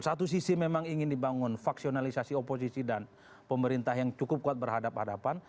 satu sisi memang ingin dibangun faksionalisasi oposisi dan pemerintah yang cukup kuat berhadapan hadapan